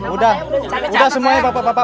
udah semuanya papa